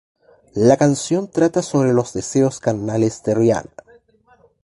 La canción trata sobre los deseos carnales de Rihanna.